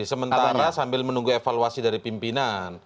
sementara sambil menunggu evaluasi dari pimpinan